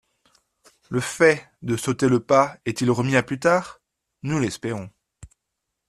Le fait de sauter le pas est-il remis à plus tard ? Nous l’espérons.